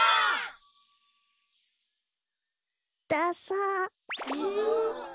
ダサ。